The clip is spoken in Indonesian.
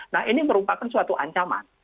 nah ini merupakan suatu ancaman